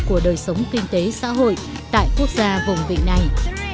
của đời sống kinh tế xã hội tại quốc gia vùng vịnh này